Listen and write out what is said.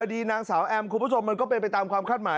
ดีนางสาวแอมคุณผู้ชมมันก็เป็นไปตามความคาดหมาย